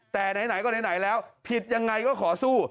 แต่ไหนก็ไหนแล้วผิดยังไงก็ขอสู้